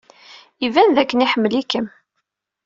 Iban dakken iḥemmel-ikem.